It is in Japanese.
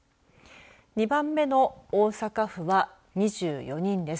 ２番目の大阪府は２４人です。